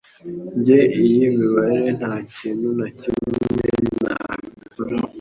njye, iyi mibare ntakintu na kimwe nabikoraho